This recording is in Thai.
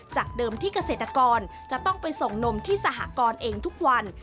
จากเดิมที่เกษตรกรจะต้องไปส่งนมที่สหกรณ์เองทุกวัน